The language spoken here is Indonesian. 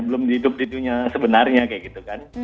belum hidup di dunia sebenarnya kayak gitu kan